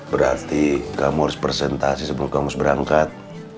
berarti kamu harus presentasi sebelum kang mus berangkat